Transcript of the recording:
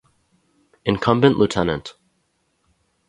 Incumbent Lt.